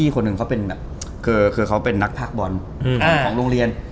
คือเขาเป็นนักภาคบอลของโรงเรียน